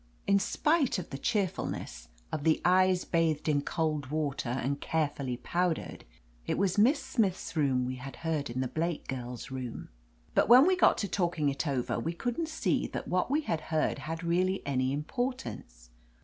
In spite of the cheerful ness, of the eyes bathed in cold water and care fully powdered, it was Miss Smith's voice we had heard in the Blake girl's room. But when we got to talking it over we couldn't see that what we had heard had really any importance.